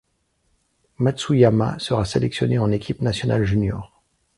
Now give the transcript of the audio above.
Matsuyama sera sélectionné en équipe nationale junior.